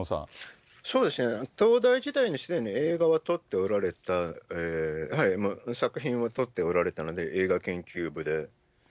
そうですね、東大時代にすでに映画は撮っておられた、作品を撮っておられたので、映画研究部で。